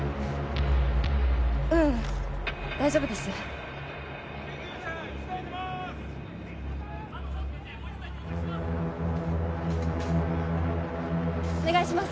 ううん大丈夫ですお願いします